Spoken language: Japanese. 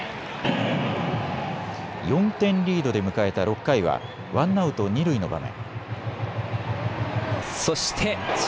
４点リードで迎えた６回はワンアウト二塁の場面。